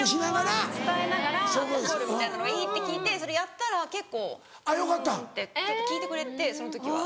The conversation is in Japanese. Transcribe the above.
愛情は伝えながら怒るみたいなのがいいって聞いてそれやったら結構「うん」ってちょっと聞いてくれてその時は。